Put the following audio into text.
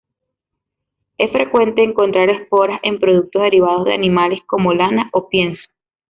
Es frecuente encontrar esporas en productos derivados de animales como lana o pienso.